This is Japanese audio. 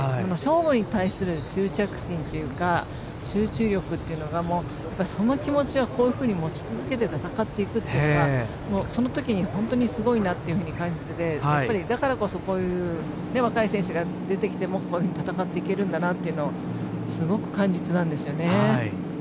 勝負に対する執着心というか集中力というのがその気持ちをこういうふうに持ち続けて戦っていくというのがそのときに本当にすごいなと感じていてだからこそこういう若い選手が出てきても戦っていけるんだなとすごく感じたんですよね。